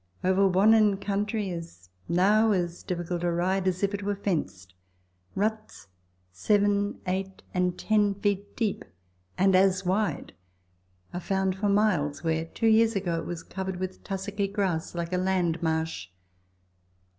Over Wannon country is now as difficult a ride as if it were fenced. Ruts, seven, eight, and ten feet deep, and as wide, are found for miles, where two years ago it was covered Avith tussocky grass like a land marsh.